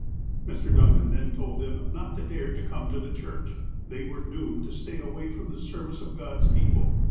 Mr. Duncan then told them not to dare to come to the church. They were doomed to stay away from the service of God's people.